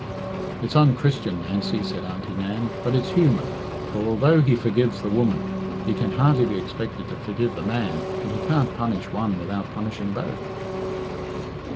"It's unchristian, Nancy," said Auntie Nan, "but it's human; for although he forgives the woman, he can hardly be expected to forgive the man, and he can't punish one without punishing both."